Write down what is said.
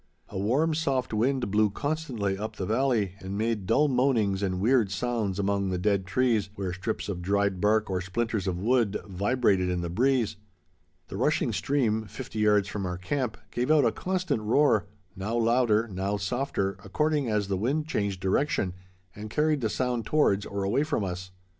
A warm, soft wind blew constantly up the valley and made dull moanings and weird sounds among the dead trees, where strips of dried bark or splinters of wood vibrated in the breeze. The rushing stream, fifty yards from our camp, gave out a constant roar, now louder, now softer, according as the wind changed direction and carried the sound towards or away from us.